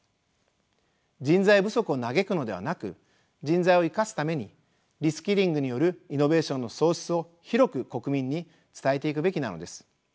人材不足を嘆くのではなく人材を生かすためにリスキリングによるイノベーションの創出を広く国民に伝えていくべきなのです。